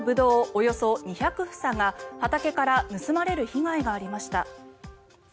およそ２００房が畑から盗まれる被害がありました。